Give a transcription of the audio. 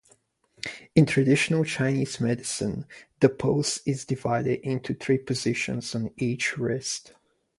In traditional Chinese medicine, the pulse is divided into three positions on each wrist.